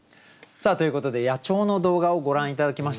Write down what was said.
さあということで野鳥の動画をご覧頂きました。